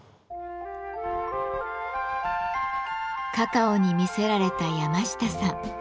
カカオに魅せられた山下さん。